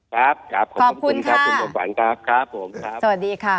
ครับขอบคุณค่ะสวัสดีค่ะ